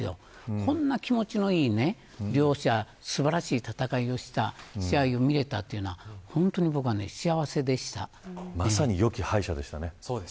こんな気持ちのいい両者素晴らしい戦いをした試合を見れたというのはまさに、良き敗者でしたね。